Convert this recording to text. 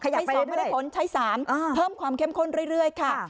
ใช้๒ไม่ได้ผลใช้๓เพิ่มความเข้มข้นเรื่อยค่ะ